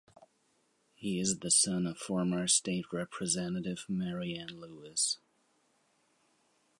He is the son of former state representative Maryanne Lewis.